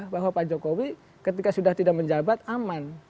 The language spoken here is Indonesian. bahwa pak jokowi ketika sudah tidak menjabat aman